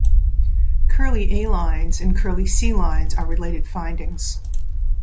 Kerley A lines and Kerley C lines are related findings.